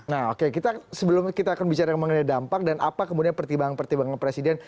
nah oke kita sebelumnya kita akan bicara mengenai dampak dan apa kemudian pertimbangan pertimbangan presiden